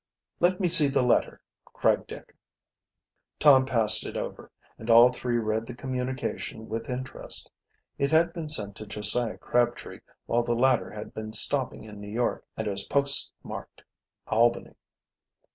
"Let me see the letter!" cried Dick. Tom passed it over, and all three read the communication with interest. It had been sent to Josiah Crabtree while the latter had been stopping in New York, and was post marked Albany.